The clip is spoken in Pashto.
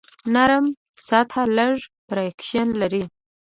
نرم سطحه لږ فریکشن لري.